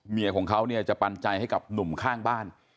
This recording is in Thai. เมียของเขาเนี่ยจะปันใจให้กับหนุ่มข้างบ้าน